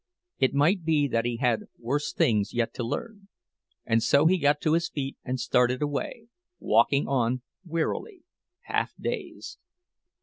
It might be that he had worse things yet to learn—and so he got to his feet and started away, walking on, wearily, half dazed.